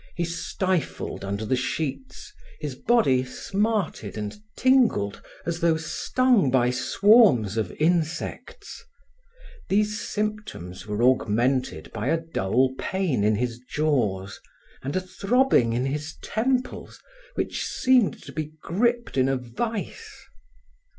He stifled under the sheets, his body smarted and tingled as though stung by swarms of insects. These symptoms were augmented by a dull pain in his jaws and a throbbing in his temples which seemed to be gripped in a vise.